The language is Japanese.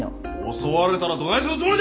襲われたらどないするつもりじゃ！